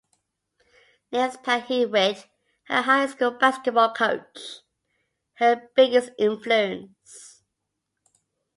Names Pat Hewitt, her high school basketball coach, her biggest influence.